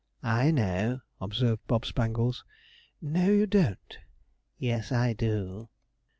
'I know,' observed Bob Spangles. 'No, you don't.' 'Yes, I do.'